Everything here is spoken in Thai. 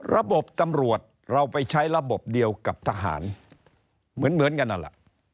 ระบบตำรวจเราไปใช้ระบบเดียวกับทหารเหมือนกันนั่นแหละ